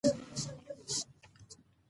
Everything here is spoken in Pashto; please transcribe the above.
افغانستان د چنګلونه لپاره مشهور دی.